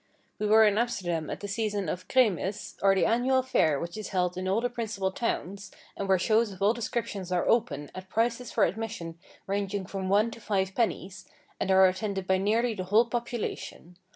We were in Amsterdam at the season of "Kremis," or the annual Fair which is held in all the principal towns, and where shows of all descriptions are open, at prices for admission ranging from one to five pennies, and are attended by nearly the whole population.